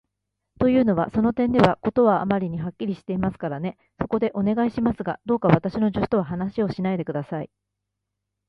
というのは、その点では事はあまりにはっきりしていますからね。そこで、お願いしますが、どうか私の助手とは話をしないで下さい。